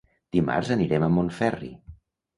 Dimarts anirem a Montferri.